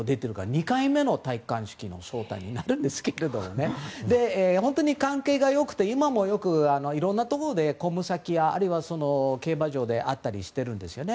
２回目の戴冠式の招待になるんですが本当に関係が良くて今もよくいろんなところで、公務先やあるいは、競馬場で会ったりしてるんですね。